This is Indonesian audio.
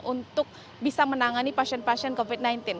untuk bisa menangani pasien pasien covid sembilan belas